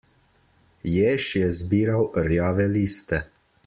Jež je zbiral rjave liste.